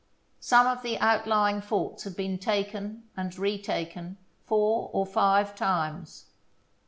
Some of the outlying forts had been taken and retaken four or five times.